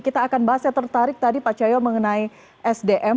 kita akan bahas saya tertarik tadi pak cahyo mengenai sdm